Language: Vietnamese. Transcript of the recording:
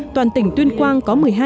toàn tỉnh tuyên quang có một mươi hai